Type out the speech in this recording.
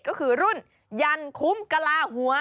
ก็คือรุ่นยันทร์คุมกระลาหัว